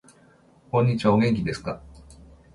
こんにちは。お元気ですか。